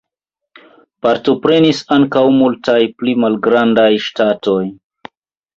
Partoprenis ankaŭ multaj pli malgrandaj ŝtatoj.